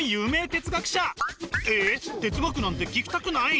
哲学なんて聞きたくない？